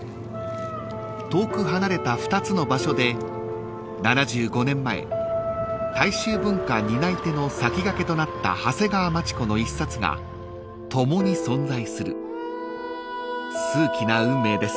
［遠く離れた２つの場所で７５年前大衆文化担い手の先駆けとなった長谷川町子の一冊が共に存在する数奇な運命です］